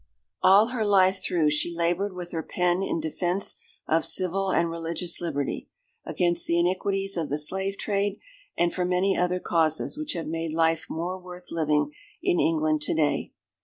All her life through she laboured with her pen in defence of civil and religious liberty, against the iniquities of the slave trade, and for many other causes which have made life more worth living in England to day.